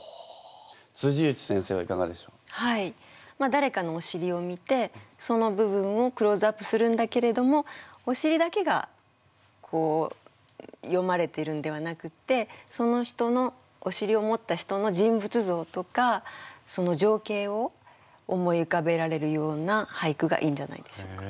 だれかのおしりを見てその部分をクローズアップするんだけれどもおしりだけがよまれてるんではなくってその人のおしりを持った人の人物像とかその情景を思い浮かべられるような俳句がいいんじゃないでしょうか。